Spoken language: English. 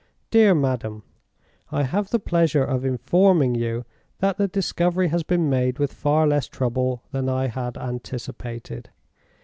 "DEAR MADAM, "I have the pleasure of informing you that the discovery has been made with far less trouble than I had anticipated.